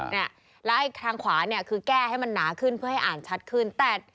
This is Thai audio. เนี่ยแล้วไอ้ทางขวาเนี่ยคือแก้ให้มันหนาขึ้นเพื่อให้อ่านชัดขึ้นแต่